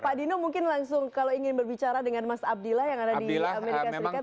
pak dino mungkin langsung kalau ingin berbicara dengan mas abdillah yang ada di amerika serikat